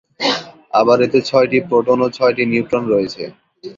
আবার, এতে ছয়টি প্রোটন ও ছয়টি নিউট্রন রয়েছে।